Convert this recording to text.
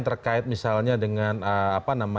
terkait misalnya dengan